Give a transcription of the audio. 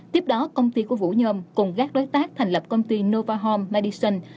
tiếp đó công ty của vũ nhôm cùng các đối tác thành lập công ty nova home madison